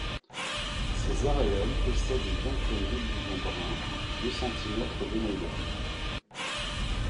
Ses aréoles possèdent une vingtaine d'aiguillons bruns de deux centimètres de longueur.